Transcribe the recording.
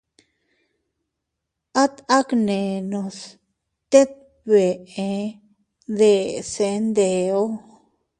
At agnenos tet bee deʼese ndeʼo.